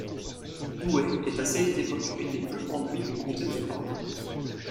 Douai est à cette époque une des plus grandes villes du comté de Flandre.